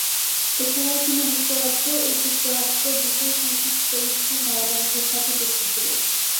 এছাড়াও তিনি যুক্তরাজ্য ও যুক্তরাষ্ট্রে বিপুল সংখ্যক টেলিভিশন ধারাবাহিকের সাথে যুক্ত ছিলেন।